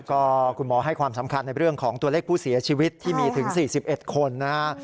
ก็คุณหมอให้ความสำคัญในเรื่องของตัวเลขผู้เสียชีวิตที่มีถึง๔๑คนนะฮะ